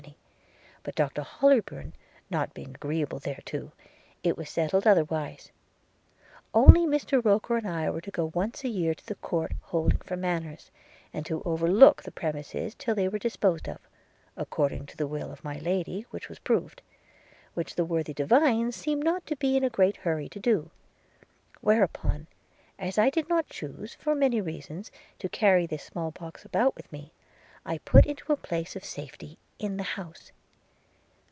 but Dr Hollybourn not being agreeable thereto, it was settled otherwise: only Mr Roker and I were to go once a year to the Court holding for Manors, and to overlook the premises till they were disposed of, according to the will of my Lady which was proved, which the worthy Divines seemed not to be in a great hurry to do – Whereupon, as I did not choose for many reasons to carry this small box about with me, I put it into a place of safety in the house.